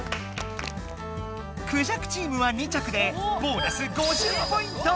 クジャクチームは２着でボーナス５０ポイント！